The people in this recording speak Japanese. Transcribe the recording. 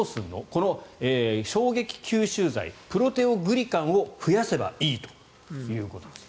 この衝撃吸収材プロテオグリカンを増やせばいいということです。